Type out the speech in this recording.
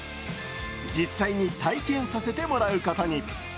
実際に体験させてもらうことに。